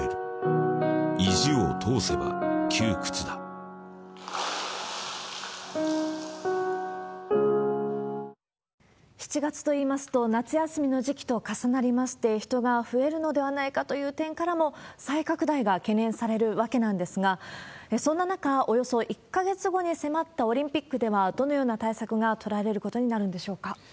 このあと、７月といいますと、夏休みの時期と重なりまして、人が増えるのではないかという点からも、再拡大が懸念されるわけなんですが、そんな中、およそ１か月後に迫ったオリンピックでは、どのような対策が取られることになるんでしょうか。